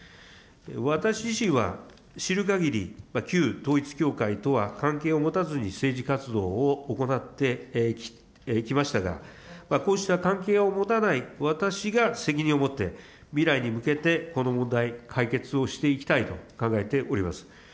私自身は、知るかぎり旧統一教会とは関係を持たずに政治活動を行ってきましたが、こうした関係を持たない私が責任を持って未来に向けて、この問題、解決をしていきたいと考えております。